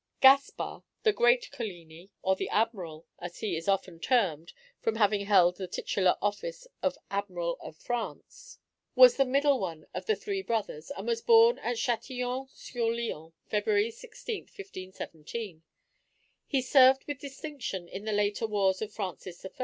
Gaspard, the great Coligni, or the Admiral (as he is often termed, from having held the titular office of Admiral of France), was the middle one of the three brothers, and was born at Châtillon sur Lion, February 16, 1517. He served with distinction in the later wars of Francis I.